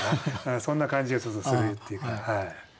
そんな感じがちょっとするっていうか。